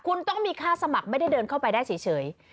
คุณต้องมีค่าสมัครไม่ได้เดินเข้าไปได้เฉย